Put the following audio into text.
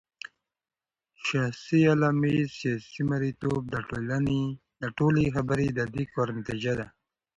شخصي غلامې ، سياسي مريتوب داټولي خبري ددي كار نتيجه ده